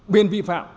biên vi phạm